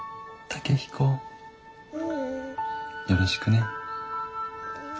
健彦よろしくね。